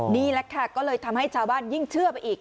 นี่แหละค่ะก็เลยทำให้ชาวบ้านยิ่งเชื่อไปอีก